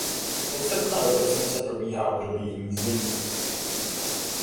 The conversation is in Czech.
Od srpna do prosince probíhá období hnízdění.